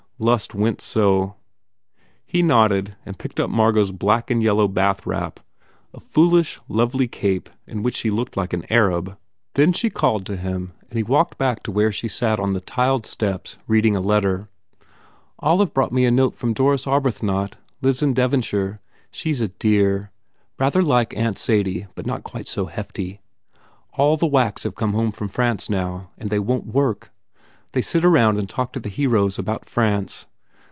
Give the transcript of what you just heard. Lust went so. He nod ded and picked up Margot s black and yellow bath wrap, a foolish, lovely cape in which she looked like an Arab. Then she called to him and he walked back to where she sat on the tiled steps reading a letter. "Olive brought me a note from Doris Arbuth not. Lives in Devonshire. She s a dear ... rather like aunt Sadie but not quite so hefty. All the Wacks have come home from France, now, and they won t work. They sit about and talk to the heroes about France.